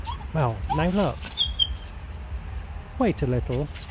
"Well, now look!" "Wait a little.